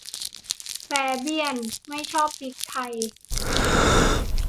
แฟเบี้ยนไม่ชอบพริกไทย